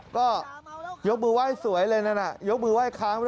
ก็ยกมือไหว้สวยเลยนั่นน่ะยกมือไห้ค้างไว้